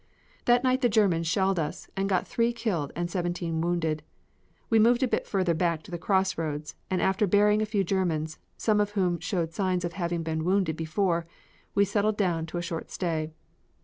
That night the Germans shelled us and got three killed and seventeen wounded. We moved a bit further back to the crossroad and after burying a few Germans, some of whom showed signs of having been wounded before, we settled down to a short stay.